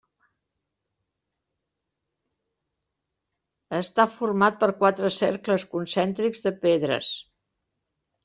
Està format per quatre cercles concèntrics de pedres.